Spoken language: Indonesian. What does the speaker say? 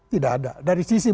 tidak ada dari sisi